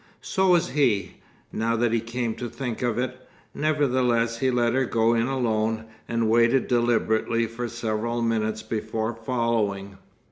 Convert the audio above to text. So was he, now that he came to think of it; nevertheless he let her go in alone, and waited deliberately for several minutes before following.